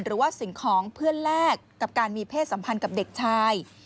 หรือว่าสิ่งของเพื่อนแลกกับการมีเพศสัมพันธ์กับเด็กชาย